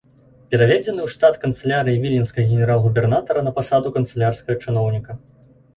Пераведзены ў штат канцылярыі віленскага генерал-губернатара на пасаду канцылярскага чыноўніка.